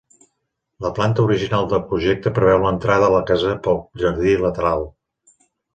La planta original del projecte preveu l'entrada a la casa pel jardí lateral.